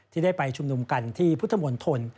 ที่ได้ไปชุมนุมกันที่พุทธมนตร